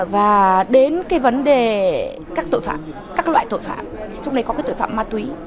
và đến cái vấn đề các loại tội phạm trong này có cái tội phạm ma túy